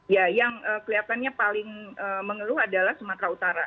ya yang kelihatannya paling mengeluh adalah sumatera utara